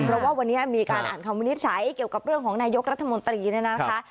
เพราะว่าวันนี้มีการอ่านคำวินิจฉัยเกี่ยวกับเรื่องของนายกรัฐมนตรีเนี่ยนะคะ